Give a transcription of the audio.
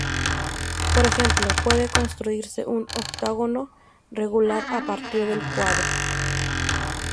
Por ejemplo, puede construirse un octógono regular a partir del cuadrado.